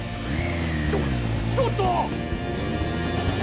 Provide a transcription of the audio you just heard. ちょっちょっと！